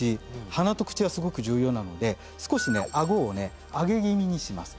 鼻と口はすごく重要なので少しあごを上げ気味にします。